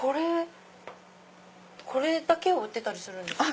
これだけを売ってるんですか？